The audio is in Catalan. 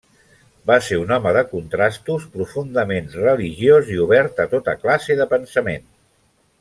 Va ser un home de contrastos: profundament religiós i obert a tota classe de pensament.